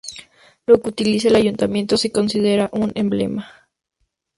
Lo que utiliza el ayuntamiento se considera un emblema.